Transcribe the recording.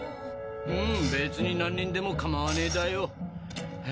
うん別に何人でも構わねえだよ。